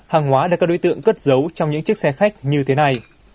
hàng hóa đã có đối tượng cất giấu trong những chiếc xe khách như thế này